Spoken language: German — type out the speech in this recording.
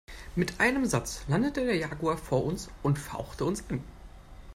Mit einem Satz landete der Jaguar vor uns und fauchte uns an.